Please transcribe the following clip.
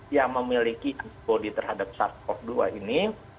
yang memiliki antibody terhadap sars cov dua ini